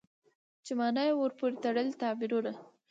چې مانا يې ورپورې تړلي تعبيرونه